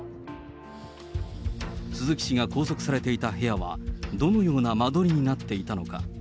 鈴木氏が拘束されていた部屋は、どのような間取りになっていたのか。